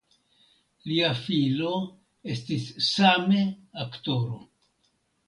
Lia filo estis same aktoro.